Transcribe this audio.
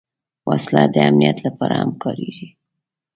وسله د امنیت لپاره هم کارېږي